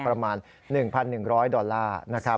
ประมาณ๑๑๐๐ดอลลาร์